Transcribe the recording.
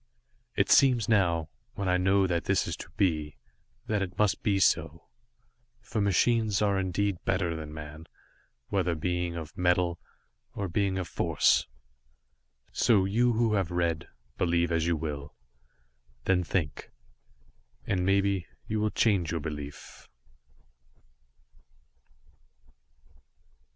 It seems now, when I know this that is to be, that it must be so, for machines are indeed better than man, whether being of Metal, or being of Force. So, you who have read, believe as you will. Then think and maybe, you will change your belief.